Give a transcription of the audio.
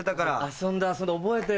遊んだ遊んだ覚えてる。